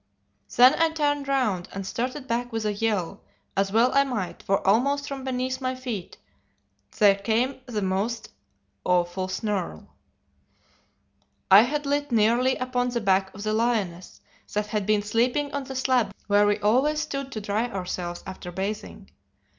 Then I turned round, and started back with a yell as well I might, for almost from beneath my feet there came a most awful snarl. "I had lit nearly upon the back of the lioness, that had been sleeping on the slab where we always stood to dry ourselves after bathing.